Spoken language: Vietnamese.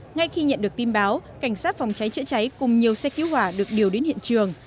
ngay khi nhận được tin báo cảnh sát phòng cháy chữa cháy cùng nhiều xe cứu hỏa được điều đến hiện trường